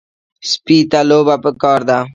سپي ته لوبه پکار ده.